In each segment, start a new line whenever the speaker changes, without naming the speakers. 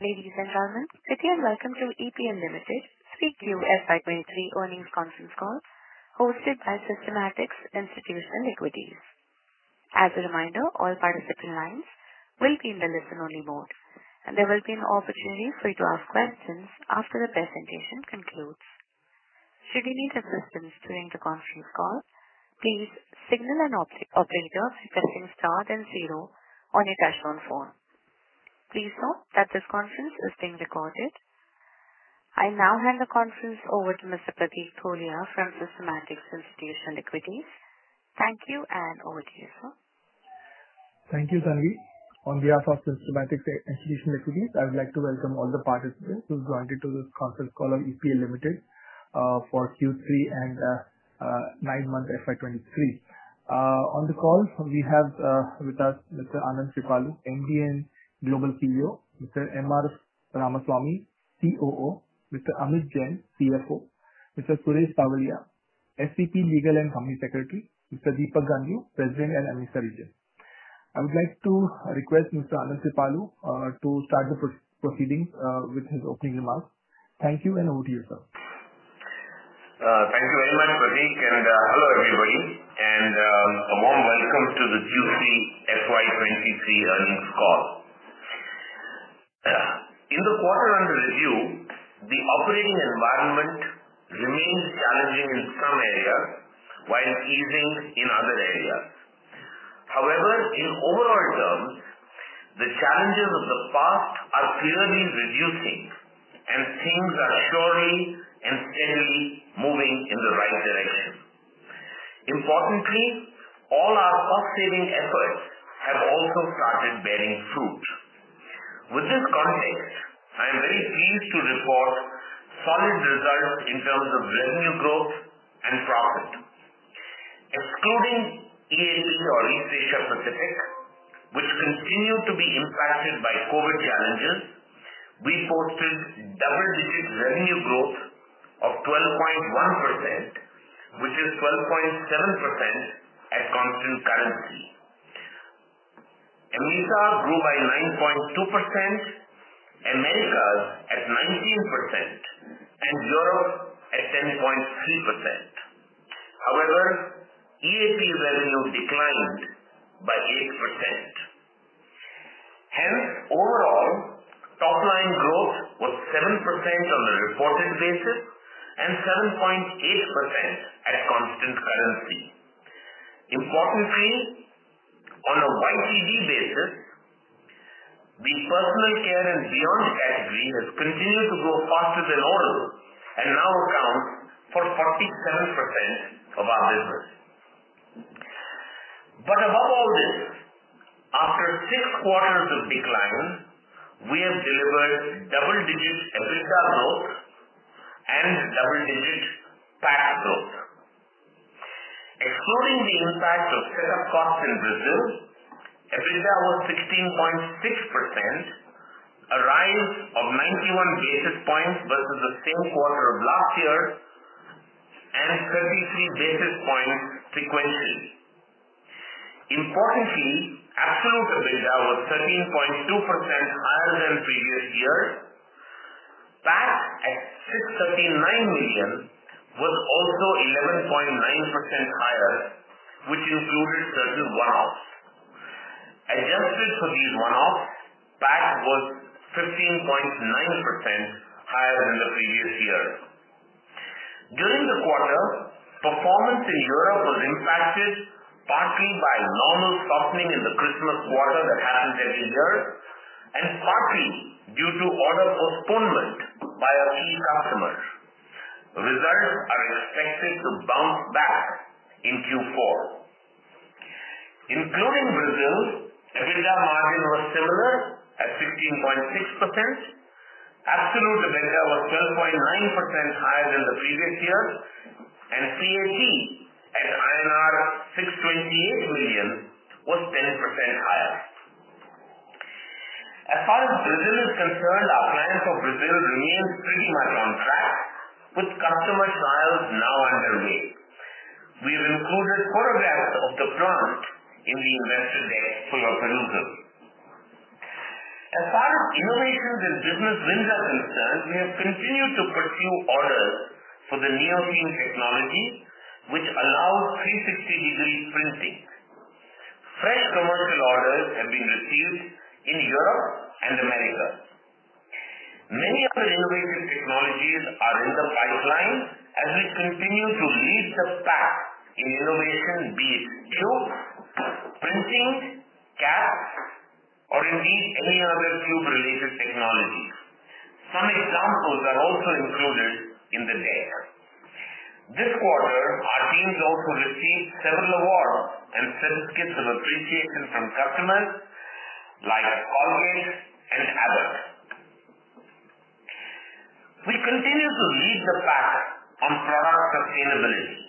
Ladies and gentlemen, greet you and welcome to EPL Limited Q3 FY23 Earnings Conference Call hosted by Systematix Institutional Equities. As a reminder, all participant lines will be in the listen-only mode. There will be an opportunity for you to ask questions after the presentation concludes. Should you need assistance during the conference call, please signal an operator by pressing star then zero on your touchtone phone. Please note that this conference is being recorded. I now hand the conference over to Mr. Pratik Tholiya from Systematix Institutional Equities. Thank you, over to you, sir.
Thank you, Tanvi. On behalf of Systematix Institutional Equities, I would like to welcome all the participants who've joined into this conference call of EPL Limited for Q3 and 9-month FY23. On the call we have with us Mr. Anand Kripalu, MD and Global CEO, Mr. M. R. Ramasamy, COO, Mr. Amit Jain, CFO, Mr. Suresh Savaliya, SVP, Legal and Company Secretary, Mr. Deepak Ganjoo, President, AMESA Region. I would like to request Mr. Anand Kripalu to start the proceeding with his opening remarks. Thank you. Over to you, sir.
Thank you very much, Pratik, hello everybody, a warm welcome to the Q3 FY23 earnings call. In the quarter under review, the operating environment remains challenging in some areas while easing in other areas. In overall terms, the challenges of the past are clearly reducing, and things are surely and steadily moving in the right direction. Importantly, all our cost-saving efforts have also started bearing fruit. With this context, I am very pleased to report solid results in terms of revenue growth and profit. Excluding EAP or East Asia Pacific, which continue to be impacted by COVID challenges, we posted double-digit revenue growth of 12.1%, which is 12.7% at constant currency. AMESA grew by 9.2%, Americas at 19%, and Europe at 10.3%. EAP revenue declined by 8%. Overall, top line growth was 7% on a reported basis and 7.8% at constant currency. Importantly, on a YTD basis, the personal care and beyond category has continued to grow faster than all and now accounts for 47% of our business. Above all this, after six quarters of decline, we have delivered double-digit EBITDA growth and double-digit PAT growth. Excluding the impact of setup costs in Brazil, EBITDA was 16.6%, a rise of 91 basis points versus the same quarter of last year and 33 basis points sequentially. Importantly, absolute EBITDA was 13.2% higher than previous year. PAT at 639 million was also 11.9% higher, which included certain one-offs. Adjusted for these one-offs, PAT was 15.9% higher than the previous year. During the quarter, performance in Europe was impacted partly by normal softening in the Christmas quarter that happened every year and partly due to order postponement by a few customers. Results are expected to bounce back in Q4. Including Brazil, EBITDA margin was similar at 15.6%. Absolute EBITDA was 12.9% higher than the previous year, and PAT at INR 628 million was 10% higher. Brazil is concerned, our plan for Brazil remains pretty much on track with customer trials now underway. We have included photographs of the plant in the investor deck for your perusal. Innovations and business wins are concerned, we have continued to pursue orders for the NEOSeam technology, which allows 360-degree printing. Fresh commercial orders have been received in Europe and America. Many other innovative technologies are in the pipeline as we continue to lead the pack in innovation, be it tubes, printing, caps or indeed any other tube-related technologies. Some examples are also included in the deck. This quarter, our teams also received several awards and certificates of appreciation from customers like Colgate and Abbott. We continue to lead the pack on product sustainability.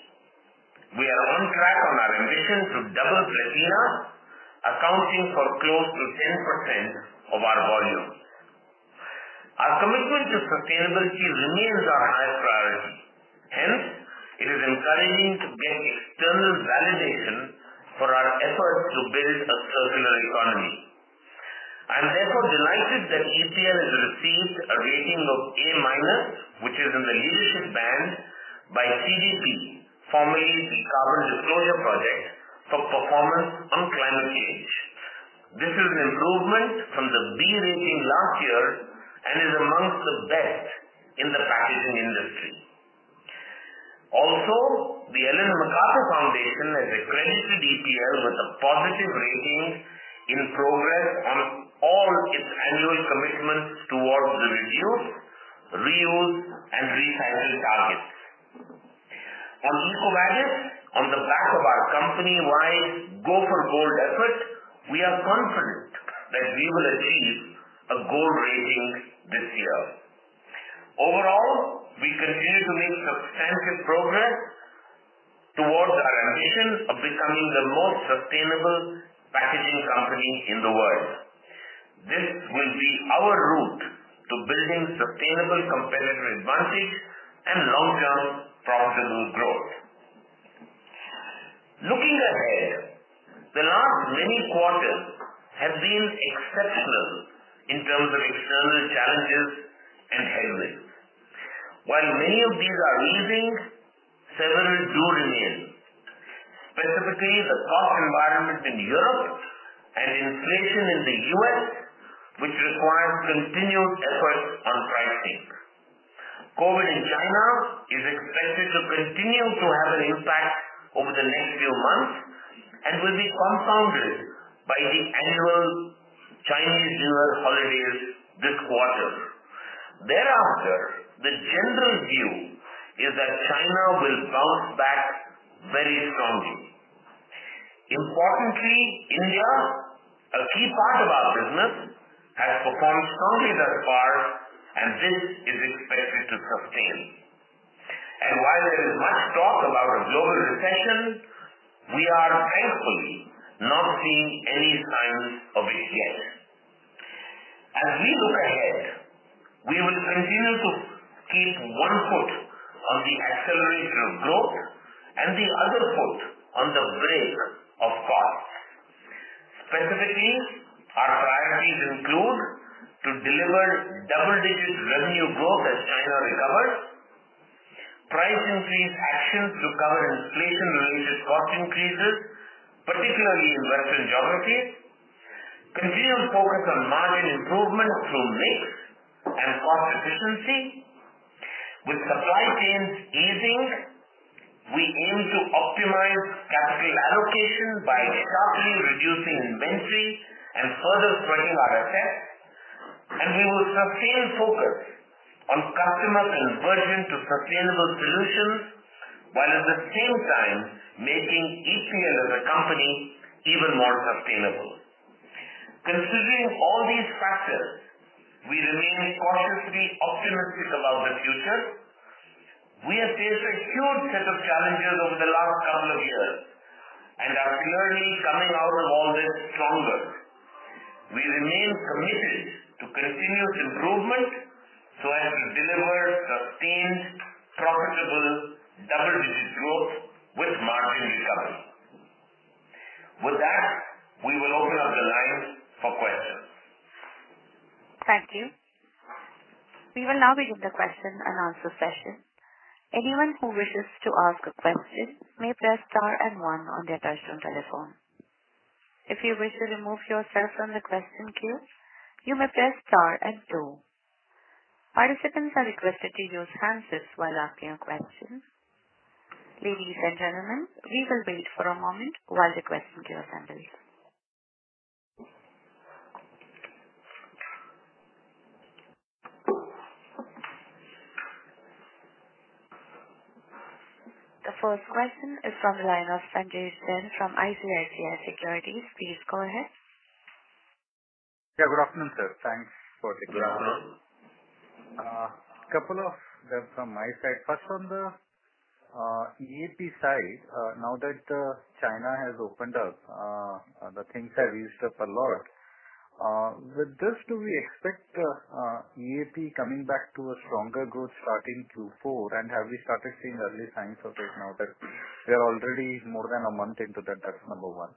We are on track on our ambition to double Platina, accounting for close to 10% of our volumes. Our commitment to sustainability remains our high priority. It is encouraging to get external validation for our efforts to build a circular economy. I'm therefore delighted that EPL has received a rating of A-, which is in the leadership band by CDP, formerly the Carbon Disclosure Project, for performance on climate change. This is an improvement from the B rating last year and is amongst the best in the packaging industry. Also, the Ellen MacArthur Foundation has accredited EPL with a positive rating in progress on all its annual commitments towards the reduced reuse and recycling targets. On EcoVadis, on the back of our company-wide Go for Gold effort, we are confident that we will achieve a gold rating this year. Overall, we continue to make substantial progress towards our ambition of becoming the most sustainable packaging company in the world. This will be our route to building sustainable competitive advantage and long-term profitable growth. Looking ahead, the last many quarters have been exceptional in terms of external challenges and headwinds. While many of these are easing, several do remain. Specifically, the cost environment in Europe and inflation in the U.S., which requires continued effort on pricing. COVID in China is expected to continue to have an impact over the next few months and will be compounded by the annual Chinese lunar holidays this quarter. The general view is that China will bounce back very strongly. Importantly, India, a key part of our business, has performed strongly thus far and this is expected to sustain. While there is much talk about a global recession, we are thankfully not seeing any signs of it yet. As we look ahead, we will continue to keep one foot on the accelerator of growth and the other foot on the brake of costs. Specifically, our priorities include to deliver double-digit revenue growth as China recovers, price increase actions to cover inflation-related cost increases, particularly in Western geographies, continued focus on margin improvement through mix and cost efficiency. With supply chains easing, we aim to optimize capital allocation by sharply reducing inventory and further strengthening our assets. We will sustain focus on customer conversion to sustainable solutions while at the same time making EPL as a company even more sustainable. Considering all these factors, we remain cautiously optimistic about the future. We have faced a huge set of challenges over the last couple of years and are clearly coming out of all this stronger. We remain committed to continuous improvement so as to deliver sustained profitable double-digit growth with margin recovery. With that, we will open up the lines for questions.
Thank you. We will now begin the question and answer session. Anyone who wishes to ask a question may press star and one on their touchtone telephone. If you wish to remove yourself from the question queue, you may press star and two. Participants are requested to use hands-free while asking a question. Ladies and gentlemen, we will wait for a moment while the question queue assembles. The first question is from the line of Sanjesh Jain from ICICI Securities. Please go ahead.
Yeah, good afternoon, sir. Thanks for the-
Good afternoon.
Couple of them from my side. First, on the EAP side, now that China has opened up, the things have eased up a lot. With this do we expect EAP coming back to a stronger growth starting Q4, and have we started seeing early signs of it now that we are already more than one month into that? That's number one.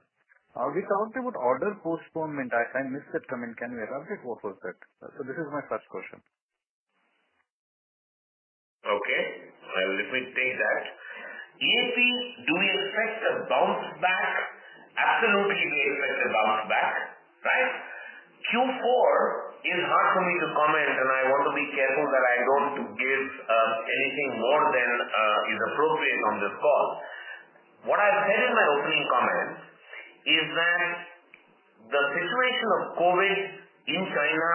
We talked about order postponement. I think missed it. I mean, can you elaborate what was that? This is my first question.
Okay. Let me take that. EAP, do we expect a bounce back? Absolutely, we expect a bounce back, right? Q4 is hard for me to comment and I want to be careful that I don't give anything more than is appropriate on this call. What I said in my opening comments is that the situation of COVID in China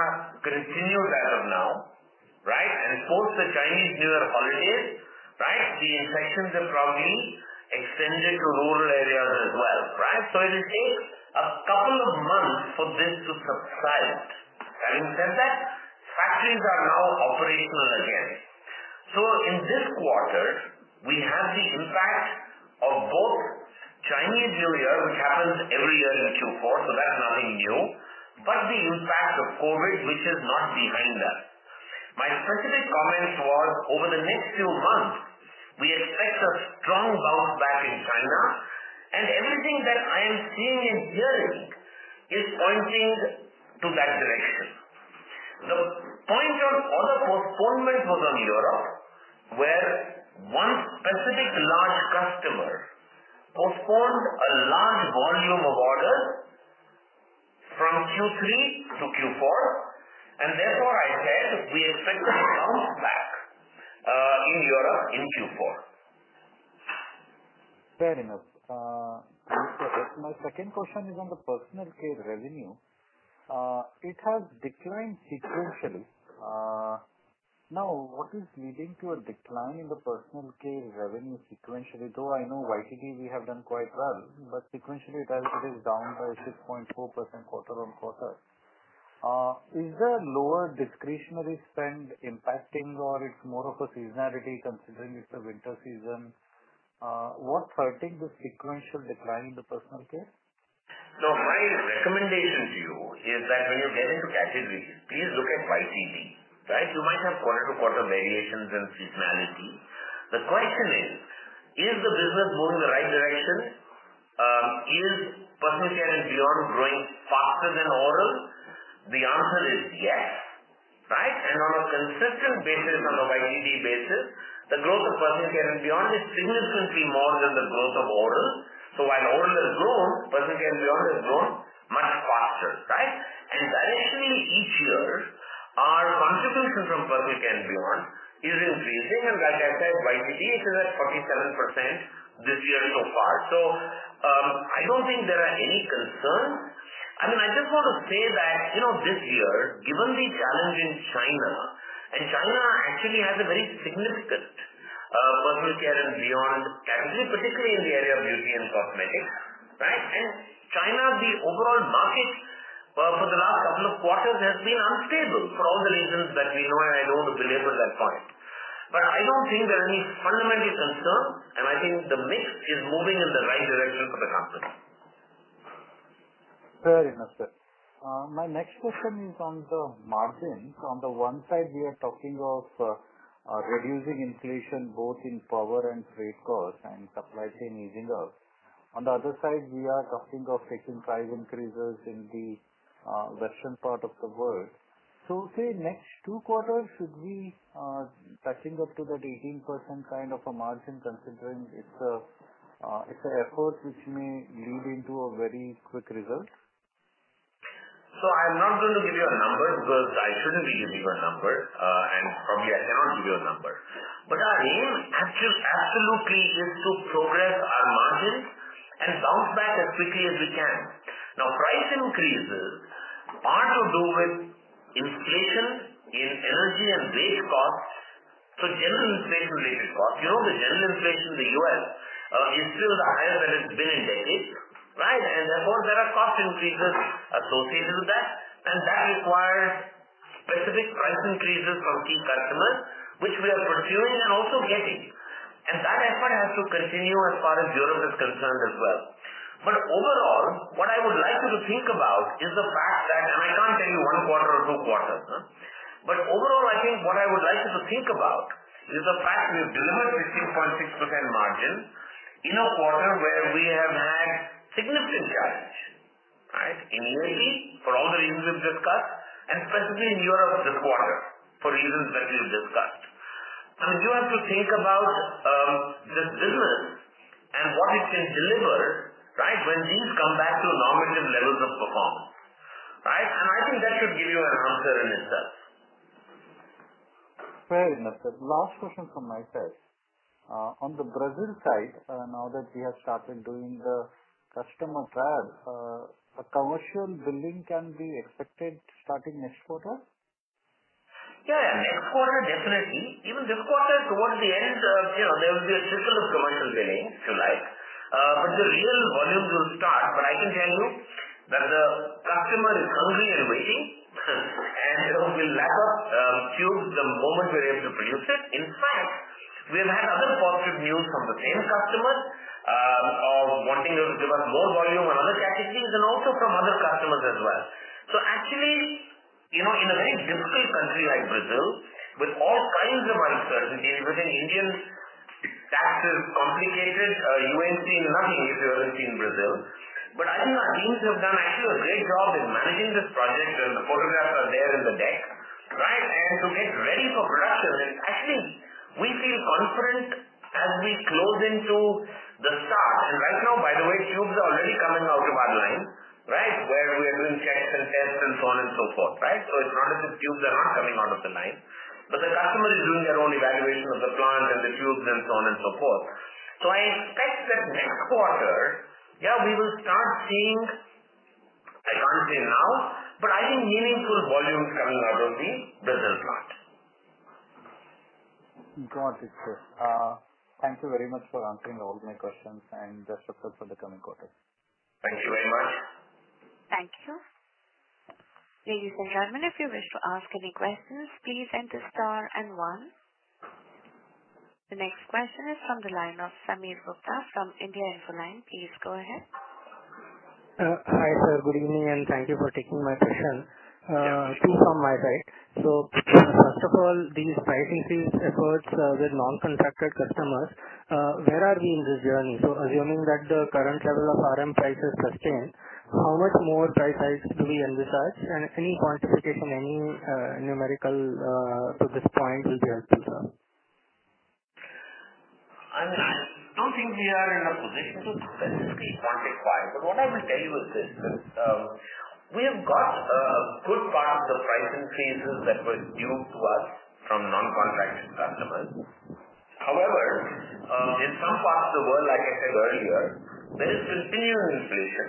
continues as of now, right? Post the Chinese New Year, right, the infections have probably extended to rural areas as well, right? It'll take a couple of months for this to subside. Having said that, factories are now operational again. In this quarter we have the impact of both Chinese New Year, which happens every year in Q4, so that's nothing new. The impact of COVID, which is not behind us. My specific comment was over the next few months, we expect a strong bounce back in China and everything that I am seeing and hearing is pointing to that direction. The point of order postponement was on Europe, where one specific large customer postponed a large volume of orders from Q3 to Q4, and therefore I said we expect a bounce back in Europe in Q4.
Fair enough. My second question is on the personal care revenue. It has declined sequentially. What is leading to a decline in the personal care revenue sequentially? I know YTD we have done quite well, sequentially it is down by 6.4% quarter-on-quarter. Is there lower discretionary spend impacting or it's more of a seasonality considering it's a winter season? What's driving the sequential decline in the personal care?
Now, my recommendation to you is that when you get into categories, please look at YTD, right? You might have quarter-to-quarter variations and seasonality. The question is the business moving the right direction? Is personal care and beyond growing faster than oral? The answer is yes, right? On a consistent basis, on a YTD basis, the growth of personal care and beyond is significantly more than the growth of oral. While oral has grown, personal care and beyond has grown much faster, right? Directionally each year our contribution from personal care and beyond is increasing, and like I said, YTD it is at 47% this year so far. I don't think there are any concerns. I mean, I just want to say that, you know, this year, given the challenge in China and China actually has a very significant personal care and beyond category, particularly in the area of beauty and cosmetics, right? China, the overall market for the last couple of quarters has been unstable for all the reasons that we know and I don't need to belabor that point. I don't think there are any fundamental concerns, and I think the mix is moving in the right direction for the company.
Fair enough, sir. My next question is on the margins. On the one side, we are talking of, reducing inflation both in power and freight costs and supply chain easing up. On the other side, we are talking of taking price increases in the, western part of the world. Say next two quarters should be, touching up to that 18% kind of a margin, considering it's a, it's a effort which may lead into a very quick result.
I'm not going to give you a number because I shouldn't be giving you a number, and probably I cannot give you a number. Our aim absolutely is to progress our margins and bounce back as quickly as we can. Price increases are to do with inflation in energy and wage costs. General inflation related costs. You know, the general inflation in the U.S. is still the highest that it's been in decades, right? Therefore, there are cost increases associated with that, and that requires specific price increases from key customers, which we are pursuing and also getting. That effort has to continue as far as Europe is concerned as well. Overall, what I would like you to think about is the fact that. I can't tell you one quarter or two quarters. Overall I think what I would like you to think about is the fact we've delivered 15.6% margin in a quarter where we have had significant challenge, right? In Europe for all the reasons we've discussed and specifically in Europe this quarter for reasons that we've discussed. If you have to think about this business and what it can deliver, right, when things come back to normative levels of performance, right? I think that should give you an answer in itself.
Fair enough, sir. Last question from my side. On the Brazil side, now that we have started doing the customer trials, a commercial billing can be expected starting next quarter?
Yeah, next quarter, definitely. Even this quarter towards the end, you know, there will be a trickle of commercial billing, if you like. The real volumes will start. I can tell you that the customer is hungry and waiting and, you know, will lap tubes the moment we're able to produce it. In fact, we've had other positive news from the same customer, of wanting to give us more volume on other categories and also from other customers as well. Actually, you know, in a very difficult country like Brazil with all kinds of uncertainties, even Indians' taxes, complicated, you ain't seen nothing if you haven't seen Brazil. I think our teams have done actually a great job in managing this project, and the photographs are there in the deck, right? To get ready for production. Actually we feel confident as we close into the start. Right now, by the way, tubes are already coming out of our line, right? Where we are doing checks and tests and so on and so forth, right? It's not as if tubes are not coming out of the line, but the customer is doing their own evaluation of the plant and the tubes and so on and so forth. I expect that next quarter, yeah, we will start seeing, I can't say now, but I think meaningful volumes coming out of the Brazil plant.
Got it, sir. Thank you very much for answering all my questions and best of luck for the coming quarter.
Thank you very much.
Thank you. Ladies and gentlemen, if you wish to ask any questions, please enter star and one. The next question is from the line of Sameer Gupta from India Infoline. Please go ahead.
Hi, sir. Good evening, and thank you for taking my question. Two from my side. These pricing suite efforts with non-contracted customers, where are we in this journey? Assuming that the current level of RM price is sustained, how much more price hike do we envisage? Any quantification, any numerical to this point will be helpful, sir.
I don't think we are in a position to specifically quantify. What I will tell you is this: We have got a good part of the pricing increases that were due to us from non-contracted customers. However, in some parts of the world, like I said earlier, there is continuing inflation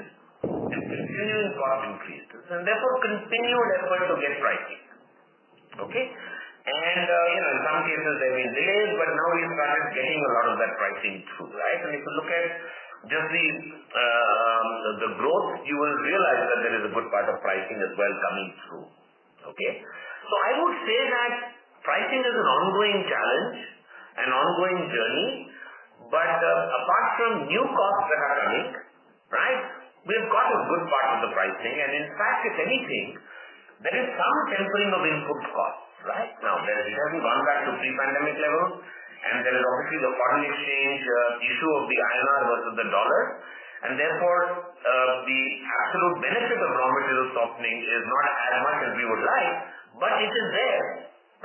and continuing cost increases and therefore continued effort to get pricing. Okay? You know, in some cases there has been delay, but now we've started getting a lot of that pricing through. Right? If you look at just the growth, you will realize that there is a good part of pricing as well coming through. Okay? I would say that pricing is an ongoing challenge, an ongoing journey. Apart from new costs that are coming, right, we have got a good part of the pricing. In fact, if anything, there is some tempering of input costs right now. It hasn't gone back to pre-pandemic levels. There is obviously the foreign exchange issue of the INR versus the dollar. Therefore, the absolute benefit of raw material softening is not as much as we would like, but it is there,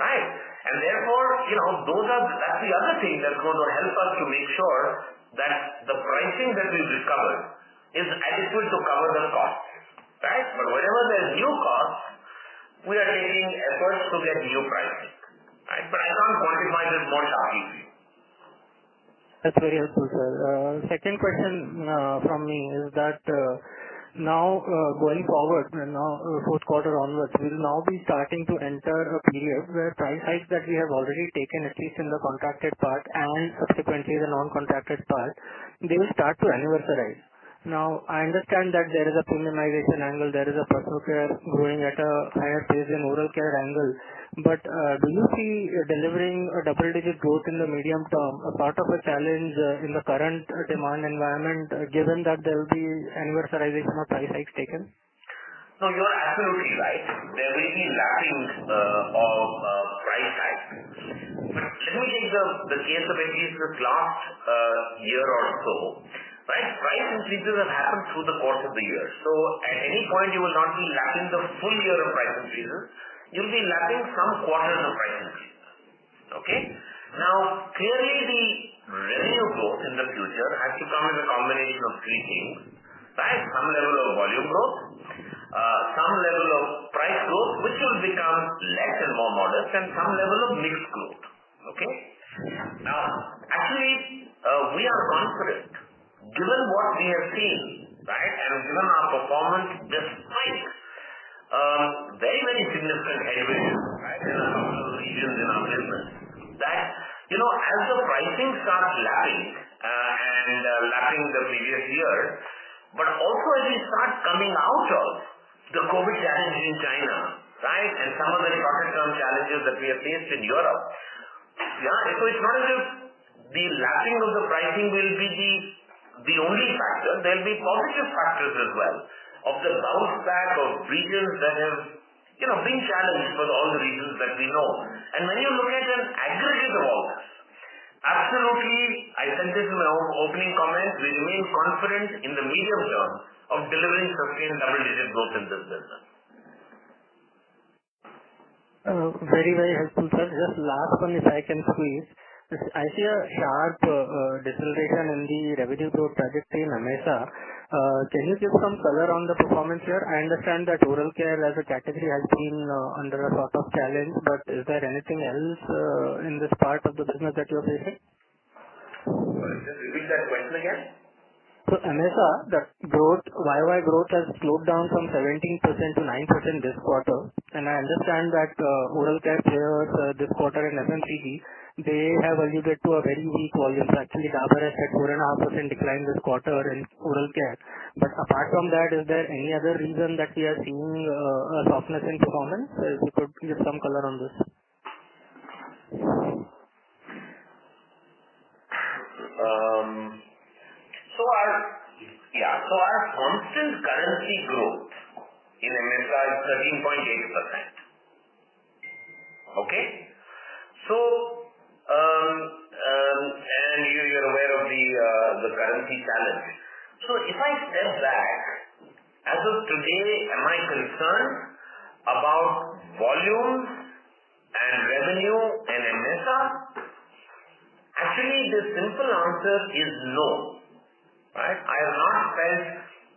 right? Therefore, you know, that's the other thing that's going to help us to make sure that the pricing that we've recovered is adequate to cover the cost, right? Wherever there's new costs, we are taking efforts to get new pricing. Right? I can't quantify this more sharply.
That's very helpful, sir. Second question from me is that now going forward and now Q4 onwards, we will now be starting to enter a period where price hikes that we have already taken, at least in the contracted part and subsequently the non-contracted part, they will start to anniversarize. Now, I understand that there is a polymerization angle, there is a personal care growing at a higher pace than oral care angle. Do you see delivering a double-digit growth in the medium term a part of a challenge in the current demand environment, given that there will be anniversarization of price hikes taken?
You are absolutely right. There will be lappings of price hikes. If you take the case of at least this last, year or so, right, price increases have happened through the course of the year. At any point you will not be lapping the full year of price increases. You'll be lapping some quarters of price increases. Okay? Clearly the revenue growth in the future has to come as a combination of three things, right? Some level of volume growth, some level of price growth, which will become less and more modest, and some level of mix growth. Okay? Actually, we are confident given what we have seen, right, and given our performance despite very, very significant headwinds, right, in a couple of regions in our business, that, you know, as the pricing starts lapping and lapping the previous year, but also as we start coming out of the COVID challenges in China, right, and some of the shorter term challenges that we have faced in Europe. It's not as if the lapping of the pricing will be the only factor. There'll be positive factors as well of the bounce back of regions that have, you know, been challenged for all the reasons that we know. When you look at an aggregate of all this, absolutely. I said this in my own opening comments, we remain confident in the medium term of delivering sustained double-digit growth in this business.
Very, very helpful, sir. Just last one, if I can squeeze. I see a sharp deceleration in the revenue growth trajectory in AMESA. Can you give some color on the performance here? I understand that oral care as a category has been under a sort of challenge, but is there anything else in this part of the business that you are facing?
Sorry, just repeat that point again.
AMESA, the growth, YOY growth has sloped down from 17% to 9% this quarter. I understand that oral care players this quarter in FMCG, they have alluded to a very weak volume. Actually, Dabur has had 4.5% decline this quarter in oral care. Apart from that, is there any other reason that we are seeing a softness in performance? If you could give some color on this.
Yeah. Our constant currency growth in AMESA is 13.8%. Okay? And you're aware of the currency challenges. If I step back, as of today, am I concerned about volumes and revenue in AMESA? Actually, the simple answer is no. Right? I have not felt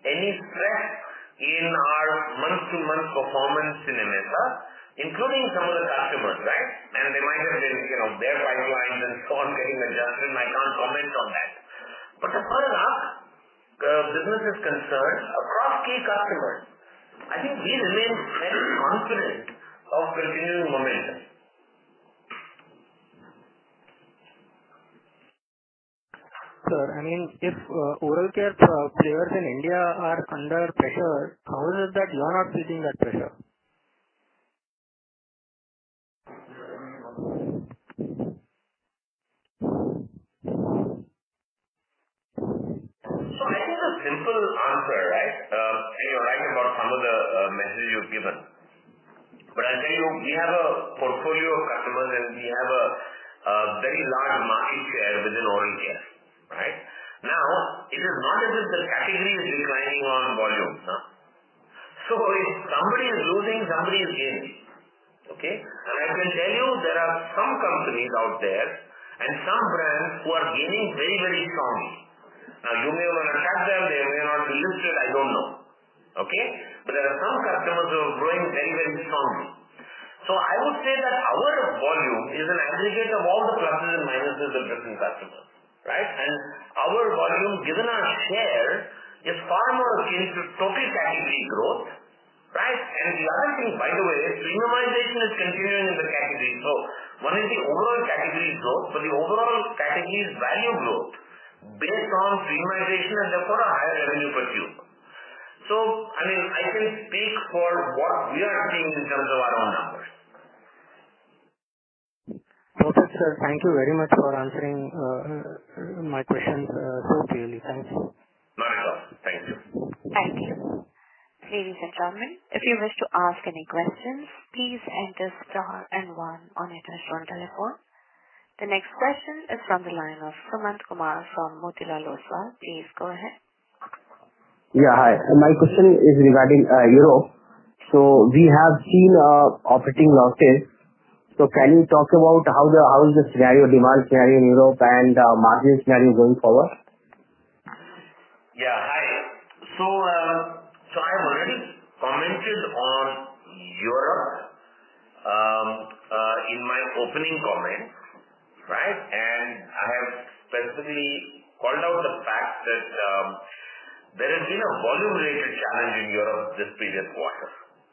any stress in our month-to-month performance in AMESA, including some of the customers, right? They might have their, you know, their pipelines and so on getting adjusted, and I can't comment on that. As far as our business is concerned across key customers, I think we remain very confident of continuing momentum.
I mean, if, oral care, players in India are under pressure, how is it that you're not feeling that pressure?
I think it's a simple answer, right? You're right about some of the messages you've given. I'll tell you, we have a portfolio of customers, and we have a very large market share within oral care, right? It is not as if the category is declining on volumes. If somebody is losing, somebody is gaining. Okay? I can tell you there are some companies out there and some brands who are gaining very, very strongly. You may wanna touch them. They may not be listed, I don't know. Okay? There are some customers who are growing very, very strongly. I would say that our volume is an aggregate of all the pluses and minuses of different customers, right? Our volume, given our share, is far more akin to total category growth, right? The other thing, by the way, premiumization is continuing in the category. One is the overall category growth, but the overall category is value growth based on premiumization and therefore a higher revenue per tube. I mean, I can speak for what we are seeing in terms of our own numbers.
Okay, sir. Thank you very much for answering my questions so clearly. Thanks.
Not at all. Thank you.
Thank you. Ladies and gentlemen, if you wish to ask any questions, please enter star and 1 on your touch tone telephone. The next question is from the line of Sumant Kumar from Motilal Oswal. Please go ahead.
Yeah. Hi. My question is regarding Europe. We have seen operating losses. Can you talk about how is the scenario, demand scenario in Europe and margin scenario going forward?
Hi. I've already commented on Europe in my opening comments, right? I have specifically called out the fact that there has been a volume-related challenge in Europe this previous quarter,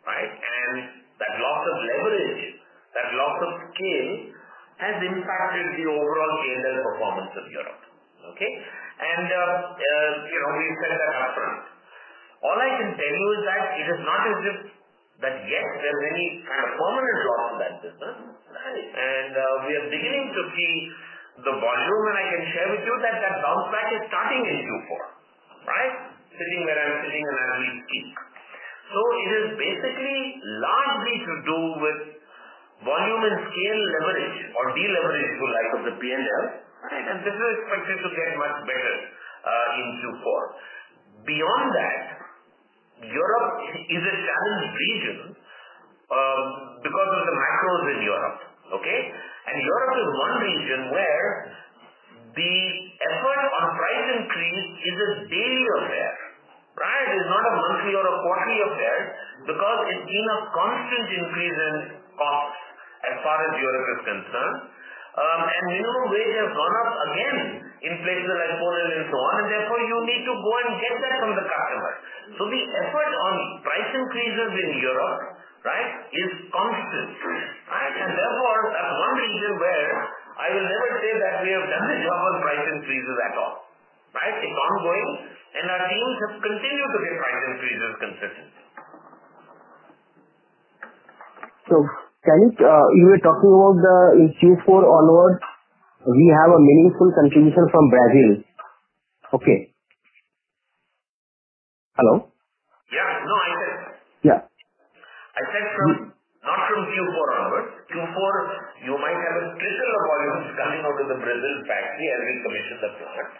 right? That loss of leverage, that loss of scale has impacted the overall P&L performance of Europe. Okay? You know, we said it upfront. All I can tell you is that it is not as if that, yes, there's any kind of permanent loss of that business, right? We are beginning to see the volume, and I can share with you that that bounce back is starting in Q4, right? Sitting where I'm sitting and as we speak. It is basically largely to do with volume and scale leverage or de-leverage, if you like, of the P&L, right? This is expected to get much better in Q4. Beyond that, Europe is a challenged region because of the macros in Europe. Okay? Europe is one region where the effort on price increase is a daily affair, right? It's not a monthly or a quarterly affair because it's been a constant increase in costs as far as Europe is concerned. Minimum wage has gone up again, inflation as I told you and so on, and therefore you need to go and get that from the customer. The effort on price increases in Europe, right, is constant, right? Therefore, that's one region where I will never say that we have done the job on price increases at all, right? It's ongoing and our teams have continued to get price increases consistently.
You were talking about the Q4 onwards, we have a meaningful contribution from Brazil. Okay. Hello?
Yeah. No, I said.
Yeah.
I said from, not from Q4 onwards. Q4 you might have a trickle of volumes coming out of the Brazil factory as it commissions that plant.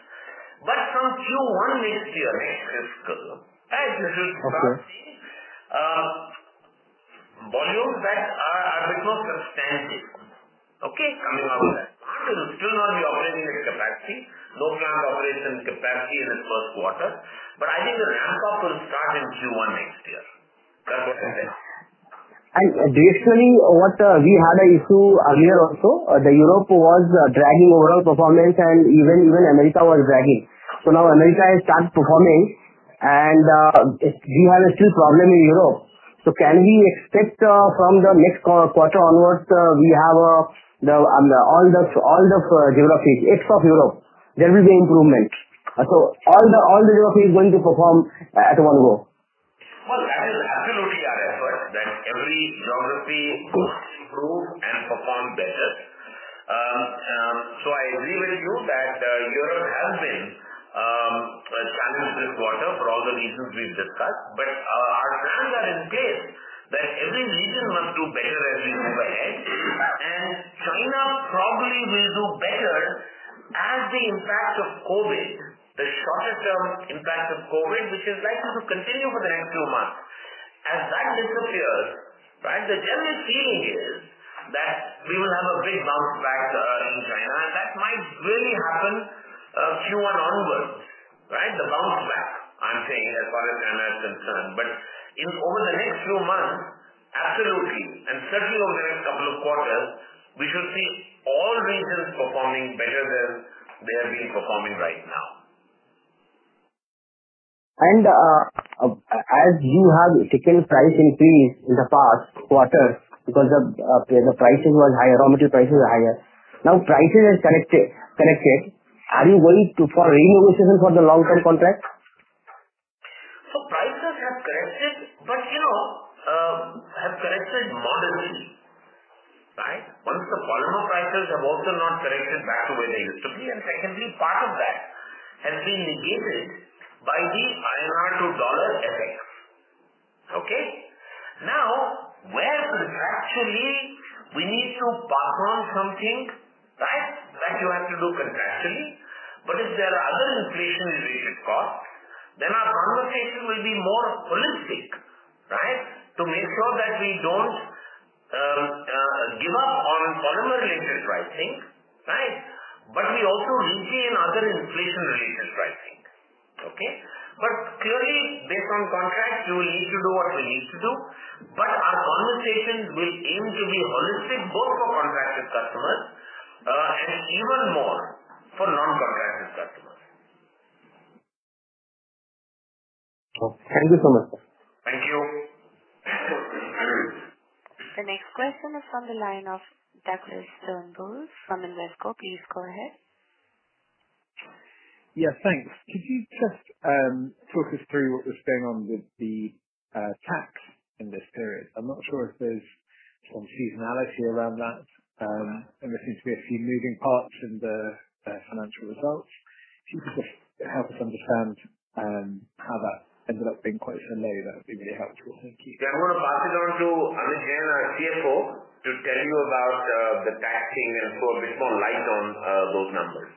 From Q1 next year, right, Sumant Kumar? As you'll start seeing, volumes that are a bit more substantive, okay, coming out of that. Still not be operating at capacity. No plant operates at capacity in its Q1. I think the ramp up will start in Q1 next year. That's what I said.
Basically what, we had a issue earlier also. The Europe was dragging overall performance and even America was dragging. Now America has started performing and, we have a still problem in Europe. Can we expect, from the next quarter onwards, we have, the, all the geographies, except Europe, there will be improvement? All the geographies going to perform at one go.
That is absolutely our effort that every geography must improve and perform better. I agree with you that Europe has been a challenge this quarter for all the reasons we've discussed. Our plans are in place that every region must do better as we move ahead. China probably will do better as the impact of COVID, the shorter term impact of COVID, which is likely to continue for the next few months. As that disappears, right, the general feeling is that we will have a big bounce back in China, and that might really happen Q1 onwards, right? The bounce back, I'm saying as far as I'm concerned. In over the next few months, absolutely, and certainly over the next couple of quarters, we should see all regions performing better than they have been performing right now.
As you have taken price increase in the past quarter because the prices was higher, raw material prices were higher. Now prices has corrected. Are you going to for renegotiation for the long-term contract?
Prices have corrected, but you know, have corrected moderately, right? One, the polymer prices have also not corrected back to where they used to be. Secondly, part of that has been engaged by the INR to dollar FX. Okay? Where contractually we need to pass on something, right? That you have to do contractually. If there are other inflation-related costs, then our conversation will be more holistic, right? To make sure that we don't give up on polymer-related pricing, right? We also retain other inflation-related pricing. Okay? Clearly based on contract, we will need to do what we need to do, but our conversations will aim to be holistic both for contracted customers and even more for non-contracted customers.
Oh. Thank you so much.
Thank you.
The next question is on the line of Douglas Turnbull from Invesco. Please go ahead.
Yeah, thanks. Could you just talk us through what was going on with the tax in this period? I'm not sure if there's some seasonality around that. There seems to be a few moving parts in the financial results. Could you just help us understand how that ended up being quite so low? That would be really helpful. Thank you.
Yeah. I'm gonna pass it on to Amit Jain, our CFO, to tell you about the taxing and throw a bit more light on those numbers.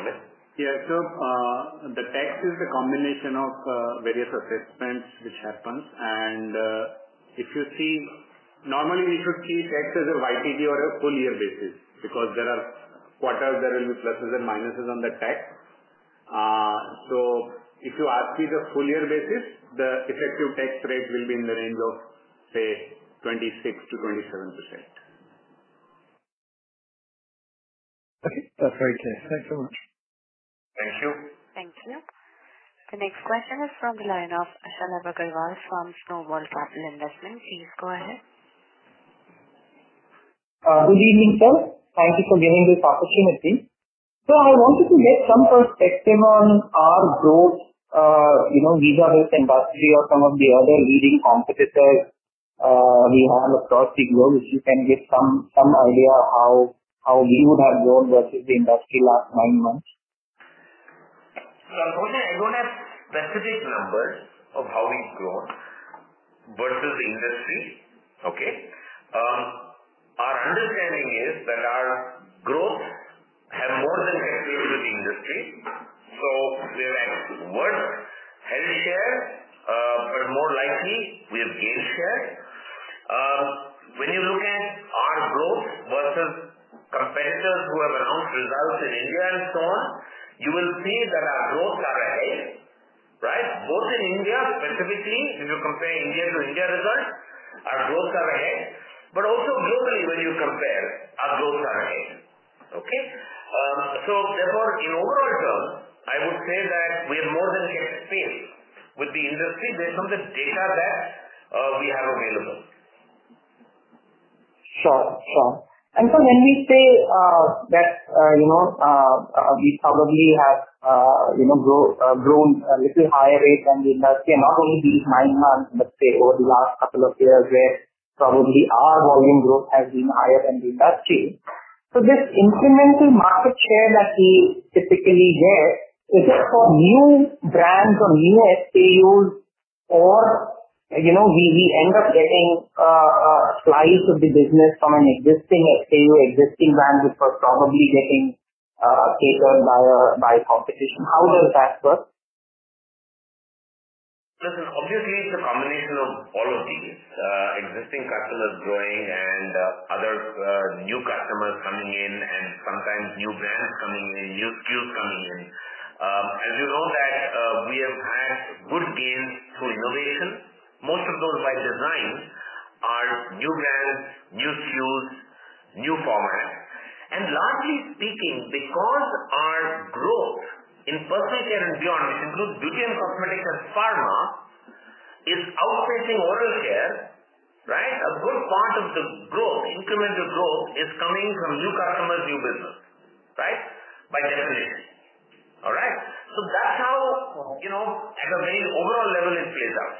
Amit?
Yeah. The tax is a combination of various assessments which happens. If you see. Normally we should see tax as a YTD or a full year basis because there are quarters there will be pluses and minuses on the tax. If you ask me the full year basis, the effective tax rate will be in the range of, say, 26%-27%.
Okay. That's very clear. Thanks so much.
Thank you.
Thank you. The next question is from the line of Shalabh Agarwal from Snowball Capital Investment. Please go ahead.
Good evening, sir. Thank you for giving this opportunity. I wanted to get some perspective on our growth. you know, vis-à-vis industry or some of the other leading competitors, we have across the globe. If you can give some idea how you have grown versus the industry last nine months.
Shalabh, I don't have specific numbers of how we've grown versus the industry. Okay? Our understanding is that our growth have more than kept up with the industry, so where I would held share, but more likely we have gained share. When you look at our growth versus competitors who have announced results in India and so on, you will see that our growth are ahead, right? Both in India specifically, if you compare India to India results, our growth are ahead. Also globally, when you compare our growth are ahead. Okay? Therefore in overall terms, I would say that we have more than kept pace with the industry based on the data that we have available.
Sure, sure. When we say that, you know, we probably have, you know, grown a little higher rate than the industry, not only these nine months, but say over the last couple of years where probably our volume growth has been higher than the industry. This incremental market share that we typically get, is it from new brands or new SKUs or, you know, we end up getting a slice of the business from an existing SKU, existing brand which was probably getting taken by competition. How does that work?
Listen, obviously it's a combination of all of these. Existing customers growing and other new customers coming in and sometimes new brands coming in, new SKUs coming in. As you know that, we have had good gains through innovation. Most of those by design are new brands, new SKUs, new formats. Largely speaking because our growth in personal care and beyond, which includes beauty and cosmetic and pharma, is outpacing oral care, right? A good part of the growth, incremental growth is coming from new customers, new business, right? By definition. All right? That's how.
Sure.
You know, at a very overall level it plays out.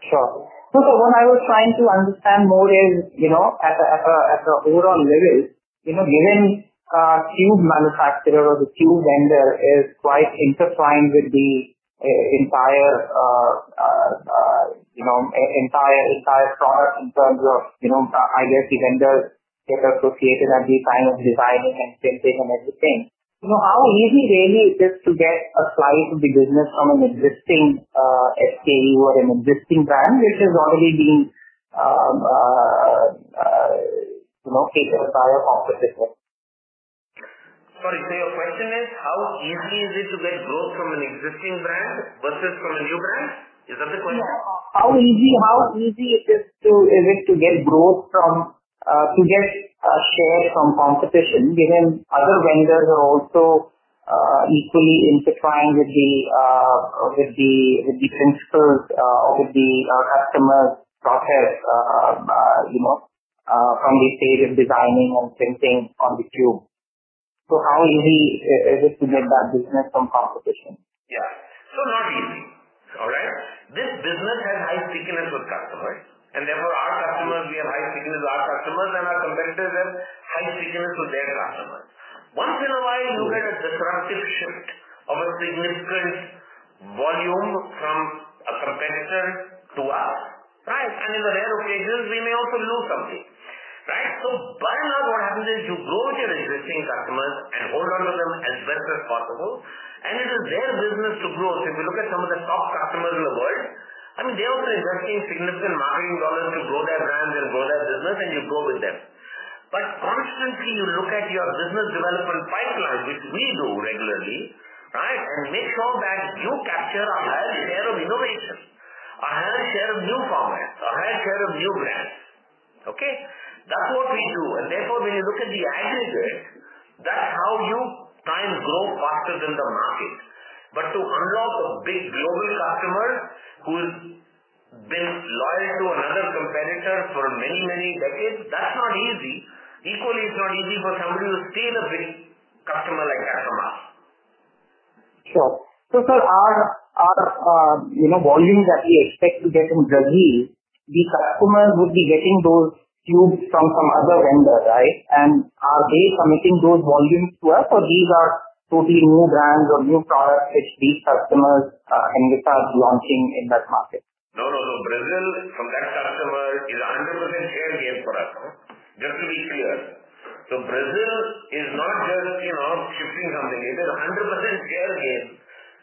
Sure. What I was trying to understand more is, you know, at an overall level, you know, given a tube manufacturer or the tube vendor is quite intertwined with the entire product in terms of, you know, I guess the vendors get associated at the time of designing and printing and everything. You know, how easy really is it to get a slice of the business from an existing SKU or an existing brand which is already being, you know, taken by a competitor?
Sorry. Your question is how easy is it to get growth from an existing brand versus from a new brand? Is that the question?
Yeah. How easy, how easy it is to get growth from, to get a share from competition, given other vendors are also equally intertwined with the principles, with the customer process, you know, from the stage of designing and printing on the tube. So how easy is it to get that business from competition?
Yeah. Not easy. All right? This business has high stickiness with customers. Therefore our customers, we have high stickiness with our customers and our competitors have high stickiness with their customers. Once in a while you get a disruptive shift of a significant volume from a competitor to us, right? In the rare occasions we may also lose something, right? By and large, what happens is you grow with your existing customers and hold on to them as best as possible, and it is their business to grow. If you look at some of the top customers in the world, I mean, they have been investing significant marketing dollars to grow their brands and grow their business, and you go with them. Constantly you look at your business development pipeline, which we do regularly, right? Make sure that you capture a higher share of innovation, a higher share of new formats, a higher share of new brands. Okay? That's what we do. Therefore, when you look at the aggregate, that's how you try and grow faster than the market. To unlock a big global customer who's been loyal to another competitor for many, many decades, that's not easy. Equally, it's not easy for somebody to steal a big customer like that from us.
Sure. Sir, our, you know, volumes that we expect to get in Brazil, the customer would be getting those tubes from some other vendor, right? Are they committing those volumes to us or these are totally new brands or new products which these customers in Brazil are launching in that market?
No, no. Brazil from that customer is 100% share gain for us. Just to be clear. Brazil is not just, you know, shifting from there. It is 100% share gain,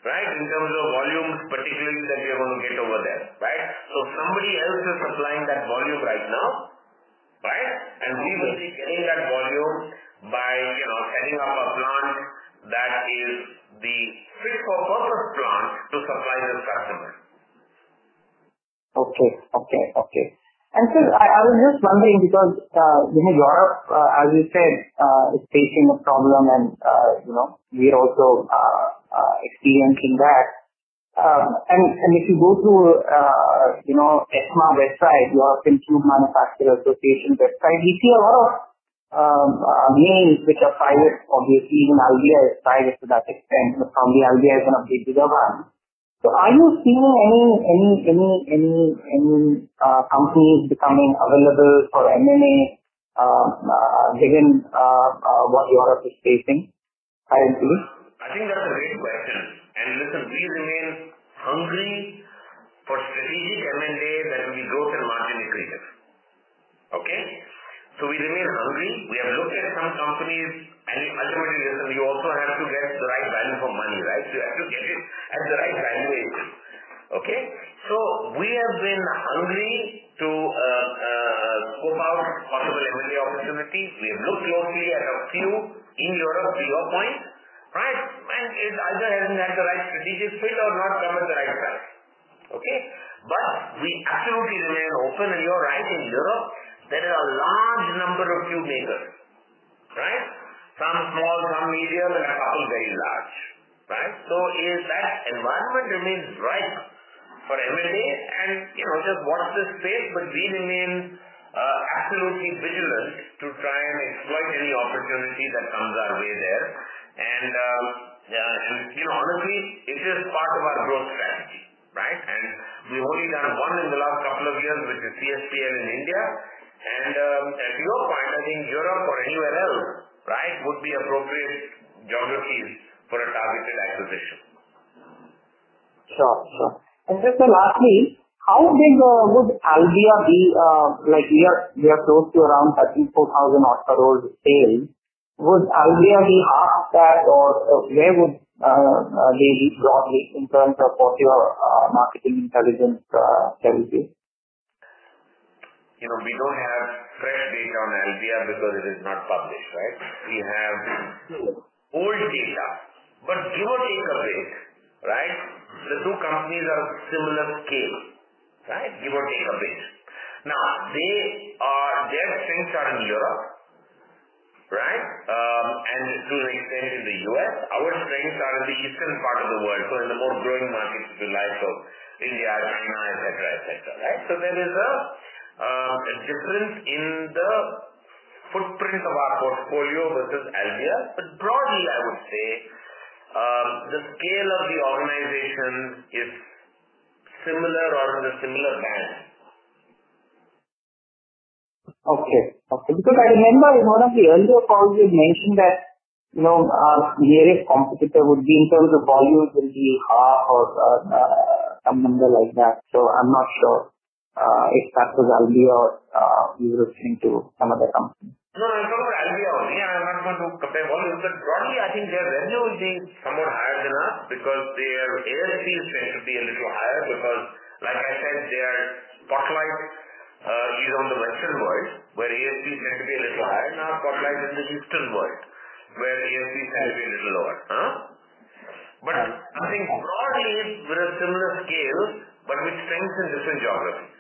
right? In terms of volumes particularly that we are gonna get over there, right? Somebody else is supplying that volume right now, right? We will be getting that volume by, you know, setting up a plant that is the fit for purpose plant to supply this customer.
Okay. Sir, I was just wondering because, you know, Europe, as you said, is facing a problem and, you know, we are also experiencing that. If you go to, you know, ETMA website, European Tube Manufacturers Association website, you see a lot of names which are private obviously, even Albéa is private to that extent. Probably Albéa is one of the bigger ones. Are you seeing any companies becoming available for M&A, given what Europe is facing currently?
I think that's a great question. Listen, we remain hungry for strategic M&A that will be growth and margin accretive. Okay? We remain hungry. We have looked at some companies and ultimately listen, we also have to get the right value for money, right? We have to get it at the right valuation. Okay? We have been hungry to scope out possible M&A opportunity. We have looked closely at a few in Europe to your point, right? It either hasn't had the right strategic fit or not covered the right price. Okay? We absolutely remain open. You're right, in Europe there is a large number of tube makers, right? Some small, some medium, and a couple very large, right? Is that environment remains ripe for M&A and, you know, just watch this space, but we remain absolutely vigilant to try and exploit any opportunity that comes our way there. You know, honestly, it is part of our growth strategy, right? We've only done one in the last couple of years with the CSPL in India. You know, partners in Europe or anywhere else, right, would be appropriate geographies for a targeted acquisition.
Sure. Sure. Just to ask me, how big would Albéa be? Like we are close to around 34,000 odd crore sales. Would Albéa be half that or where would they be broadly in terms of what your marketing intelligence tells you?
You know, we don't have fresh data on Albéa because it is not published, right?
Sure.
We have old data, but give or take a bit, right? The two companies are of similar scale, right? Give or take a bit. Their strengths are in Europe, right? And to an extent in the U.S. Our strengths are in the eastern part of the world, so in the more growing markets the likes of India, China, et cetera, et cetera, right? There is a difference in the footprint of our portfolio versus Albéa. Broadly, I would say, the scale of the organization is similar or in a similar band.
Okay. Okay. I remember in one of the earlier calls you mentioned that, you know, nearest competitor would be in terms of volumes will be half or some number like that. I'm not sure if that was Albéa or you were referring to some other company.
No, I'm talking about Albéa only. I'm not going to compare volumes. Broadly I think their revenue is somewhat higher than us because their ASP is going to be a little higher because like I said, their spotlight is on the western world where ASP is going to be a little higher. Our spotlight is in the eastern world where ASP is going to be a little lower. I think broadly, we're a similar scale, but with strengths in different geographies.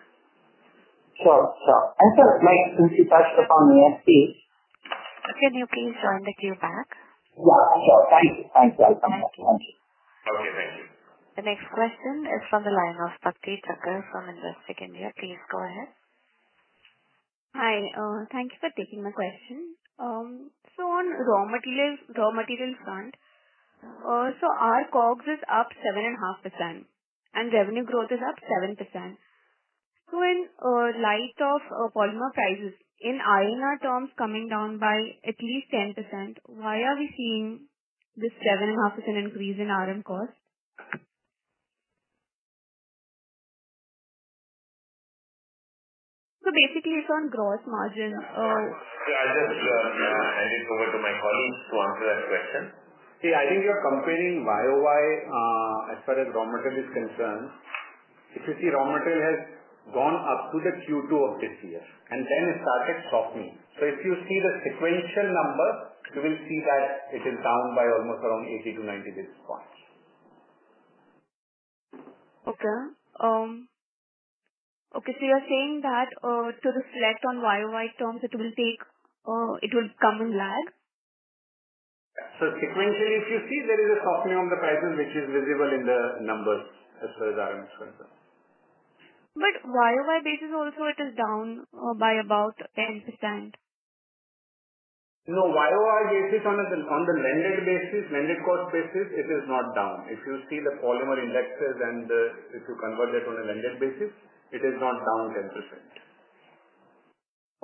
Sure, sure. Sir, my principle from ASP.
Can you please join the queue back?
Yeah, sure. Thank you.
Thank you.
Okay, thank you.
The next question is from the line of Bhakti Thacker from Investec India. Please go ahead.
Hi, thank you for taking my question. On raw materials front. Our COGS is up 7.5% and revenue growth is up 7%. In light of polymer prices in INR terms coming down by at least 10%, why are we seeing this 7.5% increase in RM cost? Basically it's on gross margin.
I'll just hand it over to my colleagues to answer that question.
See, I think you're comparing YOY, as far as raw material is concerned. If you see raw material has gone up to the Q2 of this year, and then it started softening. If you see the sequential number, you will see that it is down by almost around 80 to 90 basis points.
Okay. Okay, you're saying that, to reflect on YOY terms, it will come in lag.
sequentially if you see there is a softening on the prices which is visible in the numbers as far as RM is concerned.
YOY basis also it is down, by about 10%.
No, YOY basis on the, on the landed basis, landed cost basis, it is not down. If you see the polymer indexes and, if you convert that on a landed basis, it is not down 10%.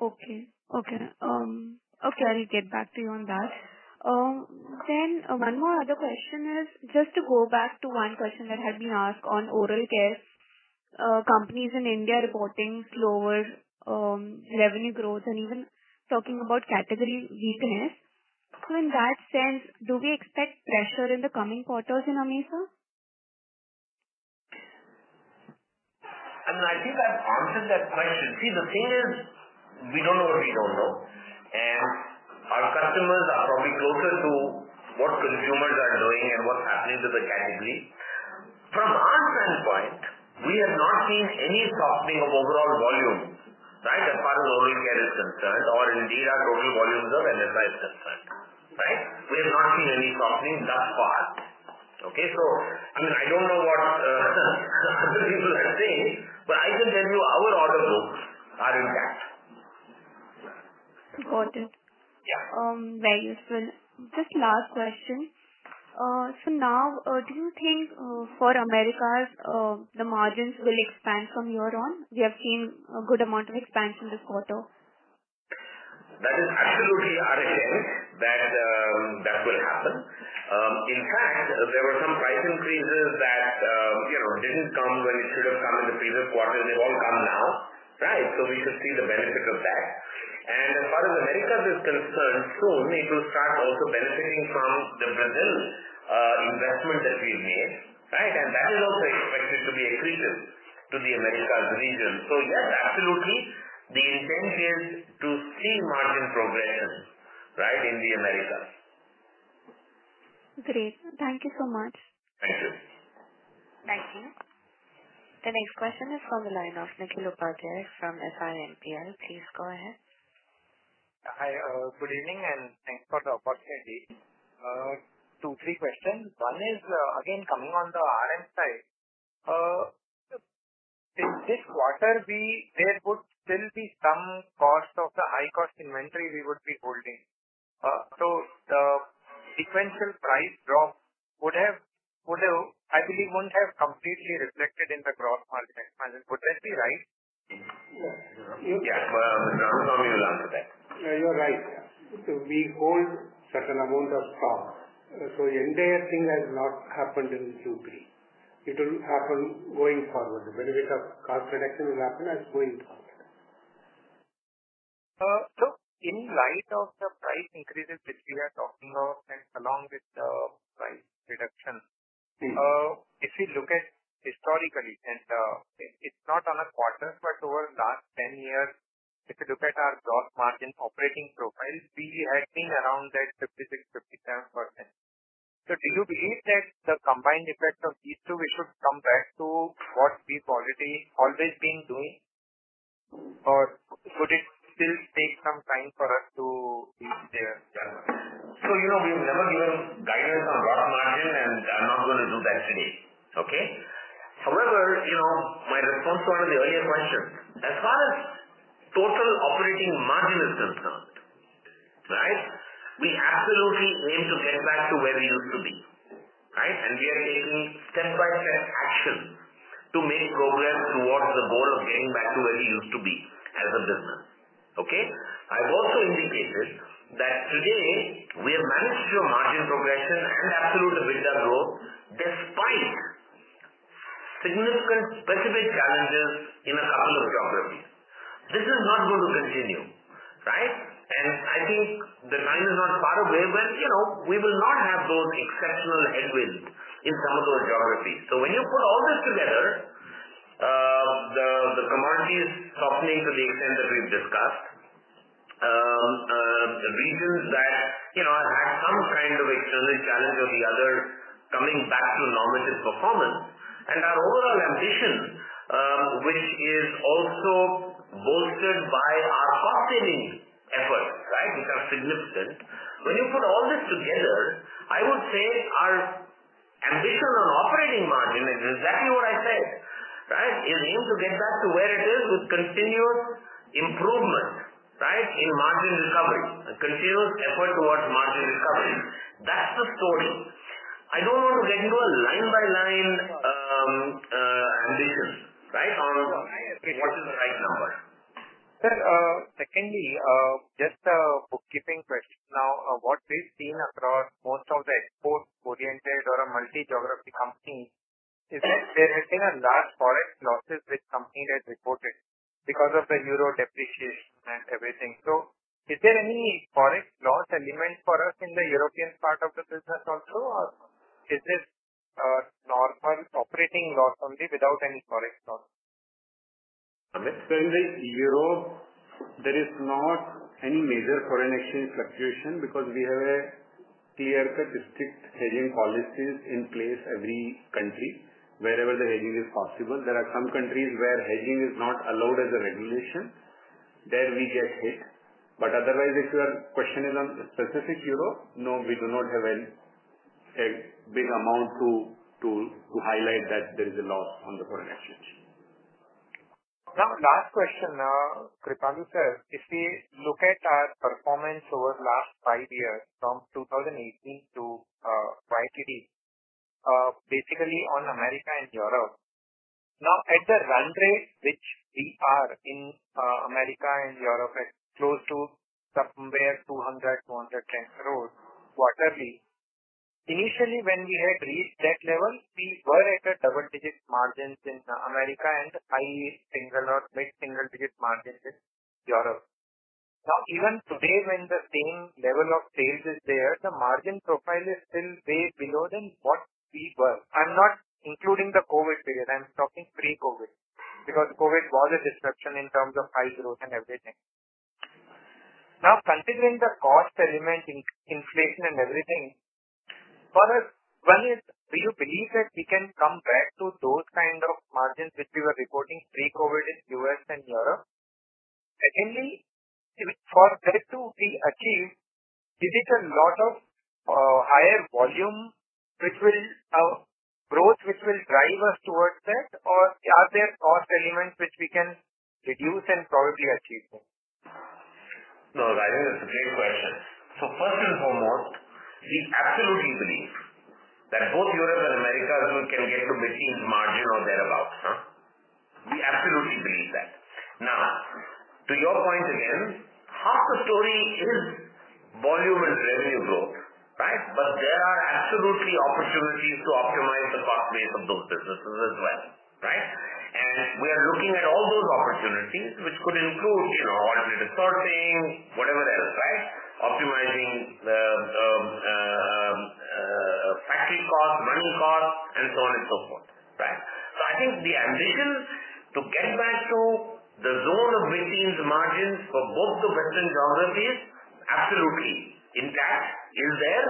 Okay. Okay, I'll get back to you on that. One more other question is just to go back to one question that had been asked on oral care. Companies in India are reporting slower revenue growth and even talking about category weakness. In that sense, do we expect pressure in the coming quarters in AMESA?
I mean, I think I've answered that question. See, the thing is we don't know what we don't know, and our customers are probably closer to what consumers are doing and what's happening to the category. From our standpoint, we have not seen any softening of overall volumes, right. As far as oral care is concerned or indeed our total volumes of NFR is concerned, right. We have not seen any softening thus far. Okay. I mean, I don't know what other people are saying, but I can tell you our order books are in cash.
Got it.
Yeah.
Very useful. Just last question. Do you think for Americas, the margins will expand from here on? We have seen a good amount of expansion this quarter.
That is absolutely our intent that will happen. In fact, there were some price increases that, you know, didn't come when it should have come in the previous quarter. They've all come now, right, so we should see the benefit of that. As far as Americas is concerned, soon it will start also benefiting from the Brazil investment that we made, right, and that is also expected to be accretive to the Americas region. Yeah, absolutely the intent is to see margin progression, right, in the Americas.
Great. Thank you so much.
Thank you.
Thank you. The next question is from the line of Nikhil Upadhyay from SIMPL. Please go ahead.
Hi. Good evening, and thanks for the opportunity. Two, three questions. One is, again, coming on the RM side. This quarter, there would still be some cost of the high cost inventory we would be holding. The sequential price drop would have, I believe, wouldn't have completely reflected in the gross margin. Would that be right?
Yeah. Yeah.Amit will answer that.
You're right. We hold certain amount of stock. Entire thing has not happened in Q3. It will happen going forward. The benefit of cost reduction will happen as going forward.
In light of the price increases which we are talking of and along with the price reduction. If you look at historically and, it's not on a quarter, but over last 10 years, if you look at our gross margin operating profile, we were hiking around that 56%-57%. Do you believe that the combined effect of these two, we should come back to what we've already always been doing? Could it still take some time for us to reach there?
You know, we've never given guidance on gross margin, and I'm not gonna do that today. Okay? However, you know, my response was on the earlier question. As far as total operating margin is concerned, right, we absolutely aim to get back to where we used to be, right, and we are taking step-by-step action to make progress towards the goal of getting back to where we used to be as a business. Okay? I've also indicated that today we have managed to do a margin progression and absolute EBITDA growth despite significant specific challenges in a couple of geographies. This is not going to continue, right? I think the time is not far away when, you know, we will not have those exceptional headwinds in some of those geographies. When you put all this together, softening to the extent that we've discussed. The regions that, you know, have had some kind of external challenge or the other coming back to a normative performance and our overall ambition, which is also bolstered by our cost-saving efforts, which are significant. When you put all this together, I would say our ambition on operating margin is exactly what I said. Is aim to get back to where it is with continuous improvement in margin recovery. A continuous effort towards margin recovery. That's the story. I don't want to get into a line by line ambition right on what is the right number.
Sir, secondly, just a bookkeeping question. What we've seen across most of the export-oriented or a multi-geography company is that they're seeing a large foreign losses which company has reported because of the Euro depreciation and everything. Is there any foreign loss element for us in the European part of the business also or is this a normal operating loss only without any foreign loss?
In the EUR there is not any major foreign exchange fluctuation because we have a clear-cut strict hedging policies in place every country wherever the hedging is possible. There are some countries where hedging is not allowed as a regulation. There we get hit, but otherwise if your question is on specific EUR, no, we do not have any a big amount to highlight that there is a loss on the foreign exchange.
Last question, Kripalu sir. If we look at our performance over the last five years from 2018 to YTD, basically on America and Europe. At the run rate which we are in, America and Europe at close to somewhere 200 crore-210 crore quarterly. Initially when we had reached that level, we were at a double-digit margins in America and high single or mid-single digit margins in Europe. Even today when the same level of sales is there, the margin profile is still way below than what we were. I'm not including the COVID period. I'm talking pre-COVID because COVID was a disruption in terms of high growth and everything. Considering the cost element in inflation and everything, for us one is do you believe that we can come back to those kind of margins which we were reporting pre-COVID in U.S. and Europe? Secondly, for that to be achieved is it a lot of higher volume which will growth which will drive us towards that or are there cost elements which we can reduce and probably achieve them?
I think it's a great question. First and foremost we absolutely believe that both Europe and America as well can get to mid-teens margin or thereabout, huh? We absolutely believe that. To your point again half the story is volume and revenue growth, right? There are absolutely opportunities to optimize the cost base of those businesses as well, right? We are looking at all those opportunities which could include you know automated sorting whatever else right? Optimizing the factory cost, manual cost and so on and so forth, right? I think the ambition to get back to the zone of mid-teens margins for both the western geographies absolutely intact is there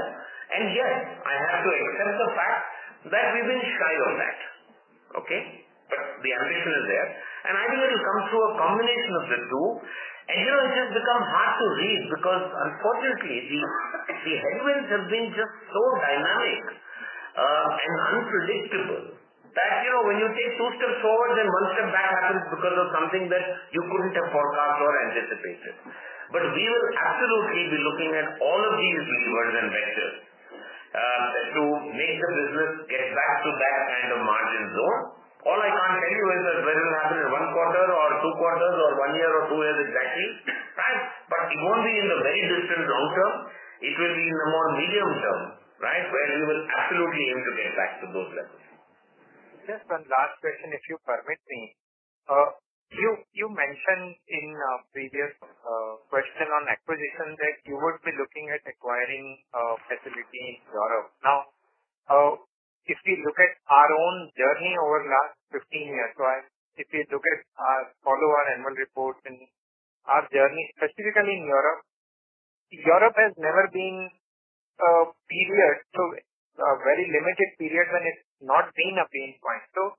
and yes I have to accept the fact that we've been shy of that. Okay? The ambition is there and I think it'll come through a combination of the two and you know it has become hard to read because unfortunately the headwinds have been just so dynamic and unpredictable that you know when you take two steps forward then one step back happens because of something that you couldn't have forecast or anticipated. We will absolutely be looking at all of these levers and vectors to make the business get back to that kind of margin zone. All I can't tell you is that whether it happen in one quarter or two quarters or one year or two years exactly, right? It won't be in the very distant long term, it will be in the more medium term, right, where we will absolutely aim to get back to those levels.
Just one last question if you permit me. You mentioned in a previous question on acquisition that you would be looking at acquiring a facility in Europe. If we look at our own journey over the last 15 years, right. If we look at follow our annual reports and our journey specifically in Europe. Europe has never been a period to a very limited period when it's not been a pain point.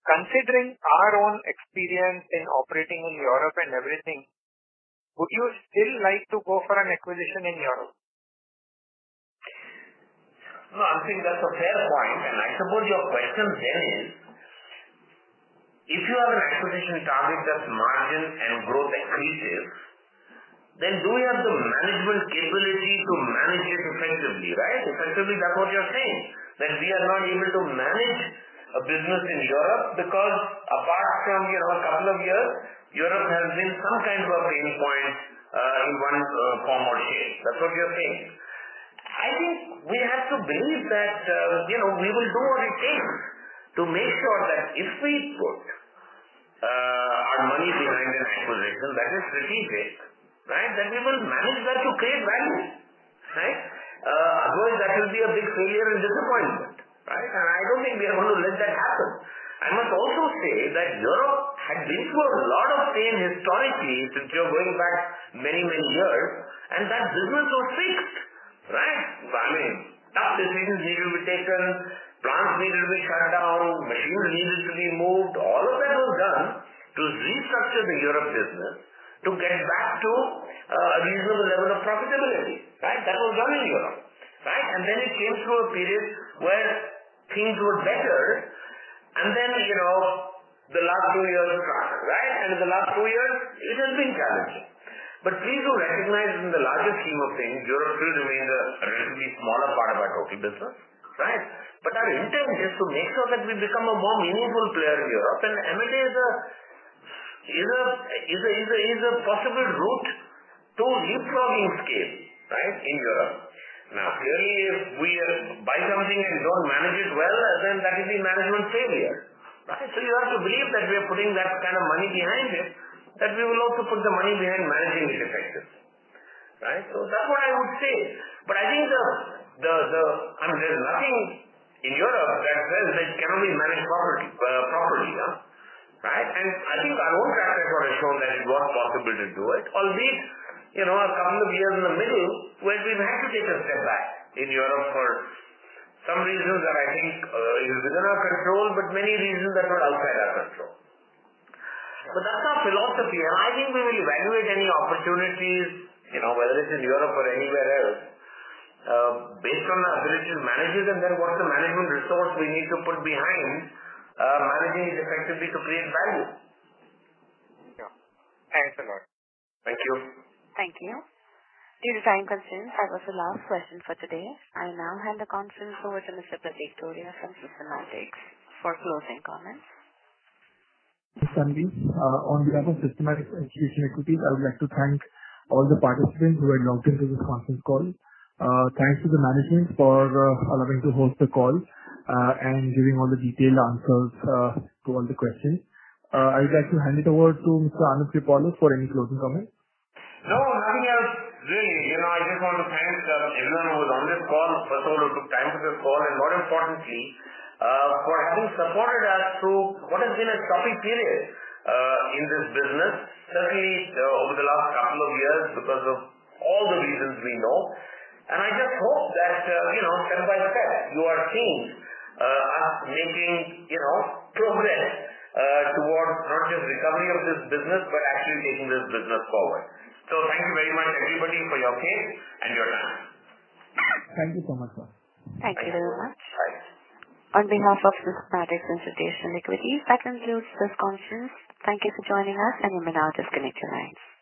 Considering our own experience in operating in Europe and everything would you still like to go for an acquisition in Europe?
I think that's a fair point. I suppose your question then is if you have an acquisition target that's margin and growth accretive, then do you have the management capability to manage it effectively, right? Effectively, that's what you're saying, that we are not able to manage a business in Europe because apart from, you know, a couple of years Europe has been some kind of a pain point in one form or the other. That's what you're saying. I think we have to believe that, you know we will do what it takes to make sure that if we put our money behind an acquisition that is strategic, right, then we will manage that to create value, right? Otherwise that will be a big failure and disappointment, right? I don't think we are gonna let that happen. I must also say that Europe had been through a lot of pain historically since we are going back many, many years, and that business was fixed, right? I mean, tough decisions needed to be taken, plants needed to be shut down, machinery needed to be moved. All of that was done to restructure the Europe business to get back to, a reasonable level of profitability, right? That was done in Europe, right? Then it came through a period where things were better and then, you know, the last two years were tougher, right? In the last two years it has been challenging. Please do recognize in the larger scheme of things, Europe still remains a relatively smaller part of our total business, right? Our intent is to make sure that we become a more meaningful player in Europe, and M&A is a possible route to leapfrogging scale, right? In Europe. Clearly, if we buy something and don't manage it well, then that is a management failure, right? You have to believe that we are putting that kind of money behind it, that we will also put the money behind managing it effectively, right? That's what I would say. I think the. I mean, there's nothing in Europe that says that it cannot be managed properly, no. Right? I think our own track record has shown that it was possible to do it, albeit, you know, a couple of years in the middle where we've had to take a step back in Europe for some reasons that I think is within our control, but many reasons that were outside our control. That's our philosophy, and I think we will evaluate any opportunities, you know, whether it's in Europe or anywhere else, based on our ability to manage it and then what's the management resource we need to put behind managing it effectively to create value.
Yeah. Thanks a lot.
Thank you.
Thank you. Due to time constraints, that was the last question for today. I now hand the conference over to Mr. Pratik Tholiya from Systematix for closing comments.
Thanks, Tanvi. On behalf of Systematix Institutional Equities, I would like to thank all the participants who have logged into this conference call. Thanks to the management for allowing to host the call and giving all the detailed answers to all the questions. I would like to hand it over to Mr. Anand Kripalu for any closing comments.
No, I mean, really, you know, I just want to thank everyone who was on this call, first of all, who took time for this call, and more importantly, for having supported us through what has been a tough period in this business, certainly, over the last couple of years because of all the reasons we know. I just hope that, you know, step by step you are seeing us making, you know, progress towards not just recovery of this business, but actually taking this business forward. Thank you very much, everybody, for your faith and your time.
Thank you so much.
Thank you very much.
Thanks.
On behalf of Systematix Institutional Equities, I conclude this conference. Thank you for joining us, and you may now disconnect your lines.